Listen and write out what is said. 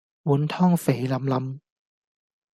碗湯肥淋淋